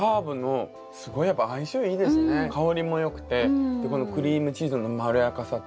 香りもよくてこのクリームチーズのまろやかさと。